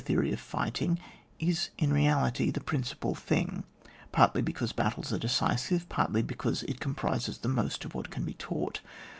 theory of fighting, is in reality the prin cipal thing, partly because battles are decisive, partly because it comprises the most of what can be taught.